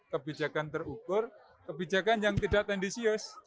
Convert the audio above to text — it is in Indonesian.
kebijakan terukur kebijakan yang tidak tendensius